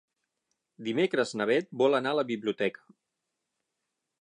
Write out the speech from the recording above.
Dimecres na Beth vol anar a la biblioteca.